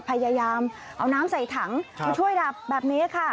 พยายามเอาน้ำใส่ถังมาช่วยดับแบบนี้ค่ะ